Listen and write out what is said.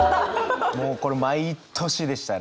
もうこれ毎年でしたね。